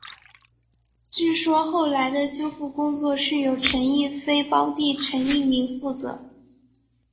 据说后来的修复工作是由陈逸飞胞弟陈逸鸣负责。